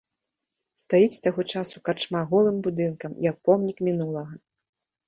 Стаіць з таго часу карчма голым будынкам, як помнік мінулага.